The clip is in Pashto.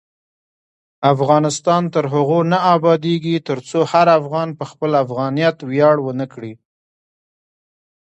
افغانستان تر هغو نه ابادیږي، ترڅو هر افغان په خپل افغانیت ویاړ ونه کړي.